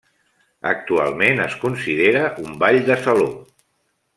Actualment es considera un ball de saló.